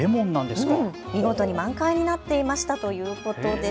見事に満開になっていましたということです。